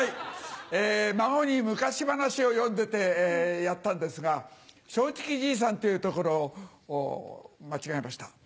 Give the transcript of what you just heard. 孫に昔話を読んでてやったんですが「正直じいさん」と言うところを間違えました。